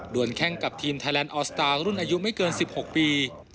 แข้งกับทีมไทยแลนดออสตาร์รุ่นอายุไม่เกิน๑๖ปี